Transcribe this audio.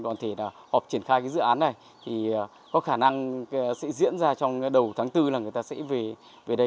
còn thể là họp triển khai dự án này có khả năng sẽ diễn ra trong đầu tháng bốn là người ta sẽ về đây